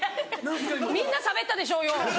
みんなしゃべったでしょうよ！